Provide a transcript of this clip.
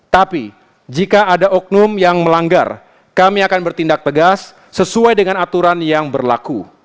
tapi jika ada oknum yang melanggar kami akan bertindak tegas sesuai dengan aturan yang berlaku